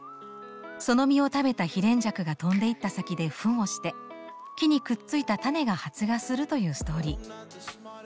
その実を食べたヒレンジャクが飛んでいった先でフンをして木にくっついた種が発芽するというストーリー。